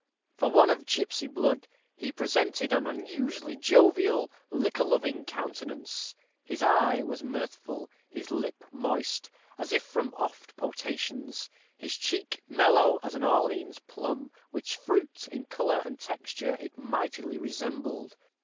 For one of gipsy blood, he presented an unusually jovial, liquor loving countenance: his eye was mirthful; his lip moist, as if from oft potations; his cheek mellow as an Orleans plum, which fruit, in color and texture, it mightily resembled.